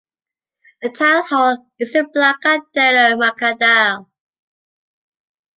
The town hall is in Plaça del Mercadal.